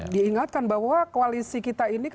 diingatkan bahwa koalisi kita ini